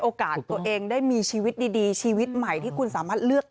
โอกาสตัวเองได้มีชีวิตดีชีวิตใหม่ที่คุณสามารถเลือก